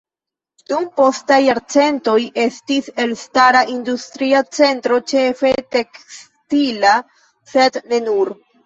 Dum postaj jarcentoj estis elstara industria centro ĉefe tekstila, sed ne nur.